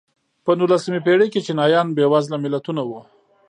په نولسمې پېړۍ کې چینایان بېوزله ملتونه وو.